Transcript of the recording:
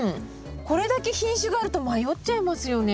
これだけ品種があると迷っちゃいますよね。